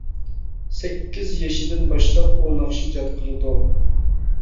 سەككىز يېشىدىن باشلاپ ئۇ ناخشا ئىجاد قىلىدۇ.